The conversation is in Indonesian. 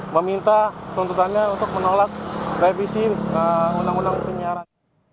meminta tuntutannya untuk menolak revisi undang undang penyiaran